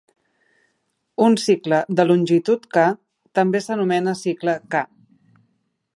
Un cicle de longitud "k" també s'anomena cicle "k".